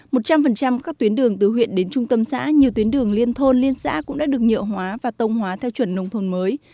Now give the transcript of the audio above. một trăm linh các tuyến đường từ huyện đến trung tâm xã nhiều tuyến đường liên thôn liên xã cũng đã được nhựa hóa và tông hóa theo chuẩn nông thôn mới